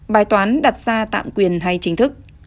bài toán đặt ra tạm quyền hay chính thức